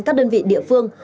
các đơn vị địa phương